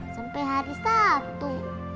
sampai hari sabtu